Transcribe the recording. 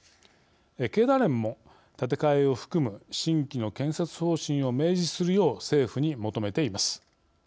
経団連も、建て替えを含む新規の建設方針を明示するよう政府に求めています。